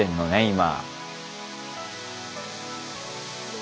今。